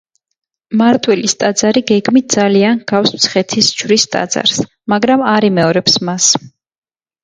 მარტვილის ტაძარი გეგმით ძალიან ჰგავს მცხეთის ჯვრის ტაძარს, მაგრამ არ იმეორებს მას.